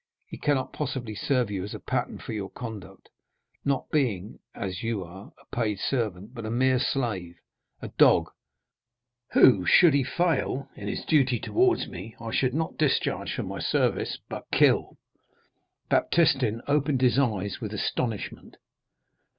He cannot possibly serve you as a pattern for your conduct, not being, as you are, a paid servant, but a mere slave—a dog, who, should he fail in his duty towards me, I should not discharge from my service, but kill." Baptistin opened his eyes with astonishment.